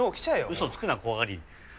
嘘つくな怖がり！